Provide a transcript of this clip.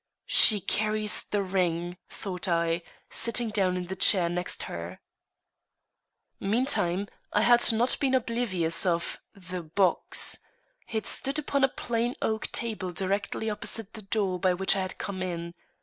"She carries the ring," thought I, sitting down in the chair next her. Meantime, I had not been oblivious of the box. It stood upon a plain oak table directly opposite the door by which I had come in.